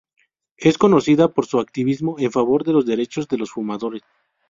Es conocida por su activismo en favor de los derechos de los fumadores.